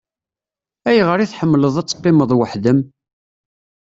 Ayɣer i tḥemmleḍ ad teqqimeḍ weḥd-m?